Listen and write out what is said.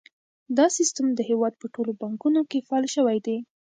دا سیستم د هیواد په ټولو بانکونو کې فعال شوی دی۔